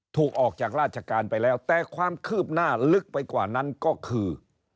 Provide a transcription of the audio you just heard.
ถูกออกจากราชการไปแล้วแต่ความคืบหน้าลึกไปกว่านั้นก็คือ